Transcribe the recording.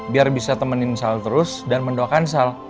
biar bisa temenin sal terus dan mendoakan sal